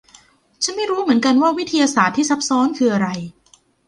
ฉันไม่รู้เหมือนกันว่าวิทยาศาสตร์ที่ซับซ้อนคืออะไร